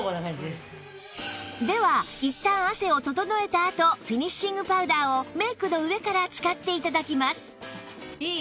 ではいったん汗を整えたあとフィニッシングパウダーをメイクの上から使って頂きます